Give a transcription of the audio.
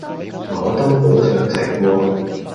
我都好想食喎